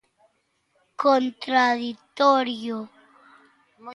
Contraditorio?